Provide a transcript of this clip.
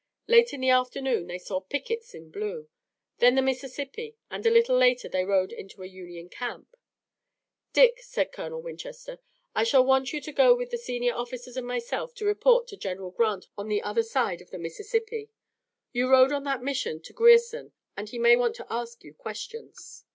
Late in the afternoon they saw pickets in blue, then the Mississippi, and a little later they rode into a Union camp. "Dick," said Colonel Winchester, "I shall want you to go with the senior officers and myself to report to General Grant on the other side of the Mississippi. You rode on that mission to Grierson and he may want to ask you questions."